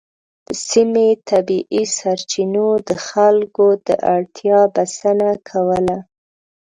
د سیمې طبیعي سرچینو د خلکو د اړتیا بسنه کوله.